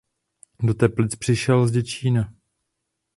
Do Teplic přišel z Děčína.